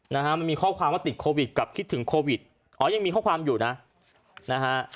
นะฮะมันมีข้อความว่าติดโควิดกับคิดถึงโควิดอ๋อยังมีข้อความอยู่นะนะฮะ